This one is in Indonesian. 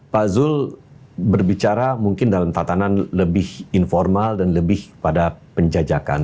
pak zul berbicara mungkin dalam tatanan lebih informal dan lebih pada penjajakan